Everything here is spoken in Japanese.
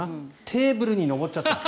テーブルに登っちゃった。